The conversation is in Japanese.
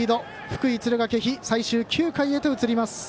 福井、敦賀気比最終９回へと移ります。